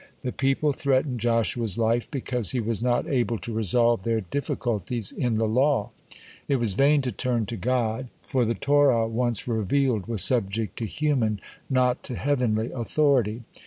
The people threatened Joshua's life, because he was not able to resolve their difficulties in the law. It was vain to turn to God, for the Torah once revealed was subject to human, not to heavenly, authority.